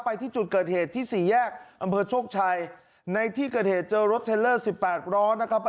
ไปที่จุดเกิดเหตุที่สี่แยกอำเภอโชคชัยในที่เกิดเหตุเจอรถเทลเลอร์สิบแปดล้อนะครับ